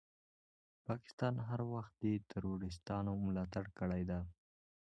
پاکستان هر وخت دي تروريستانو ملاتړ کړی ده.